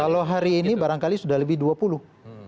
kalau hari ini barangkali sudah lebih dua puluh